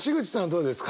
どうですか？